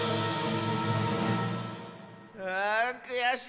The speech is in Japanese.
あくやしい！